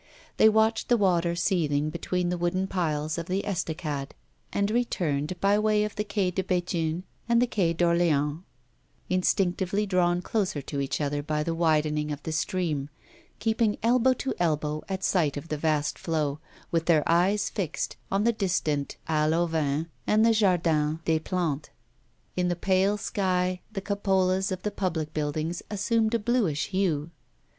They watched the water seething between the wooden piles of the Estacade, and returned by way of the Quai de Béthune and the Quai d'Orléans, instinctively drawn closer to each other by the widening of the stream, keeping elbow to elbow at sight of the vast flow, with their eyes fixed on the distant Halle aux Vins and the Jardin des Plantes. In the pale sky, the cupolas of the public buildings assumed a bluish hue.